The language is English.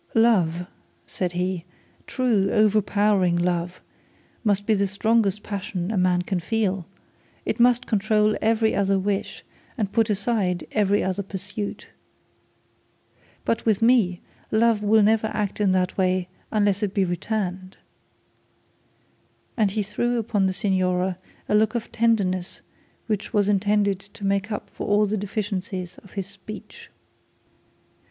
'Love,' said he, 'true overpowering love, must be the strongest passion a man can feel; it must control every other wish, and put aside every other pursuit. But with me love will never act in that way unless it is returned;' and he threw upon the signora a look of tenderness which was intended to make up for all the deficiencies of his speech.